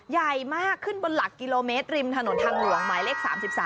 ใหญ่มากขึ้นบนหลักกิโลเมตรริมถนนทางหลวงหมายเลข๓๓